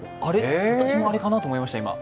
私もあれかなと思いました。